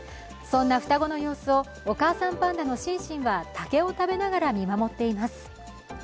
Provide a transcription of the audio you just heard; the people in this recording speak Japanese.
そんな双子の様子を、お母さんパンダのシンシンは竹を食べながら、見守っています。